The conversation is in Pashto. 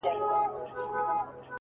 o سیاه پوسي ده، ماسوم یې ژاړي،